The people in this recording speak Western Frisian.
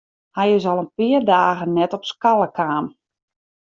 Hy is al in pear dagen net op skoalle kaam.